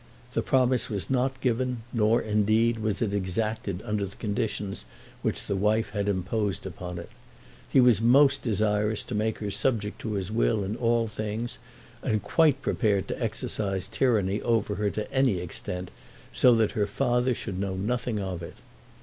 The promise was not given, nor, indeed, was it exacted under the conditions which the wife had imposed upon it. He was most desirous to make her subject to his will in all things, and quite prepared to exercise tyranny over her to any extent, so that her father should know nothing of it.